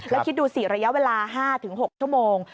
แล้วคิดดูสิระยะเวลา๕๖ชั่วโมง